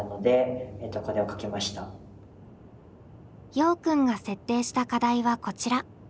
ようくんが設定した課題はこちら。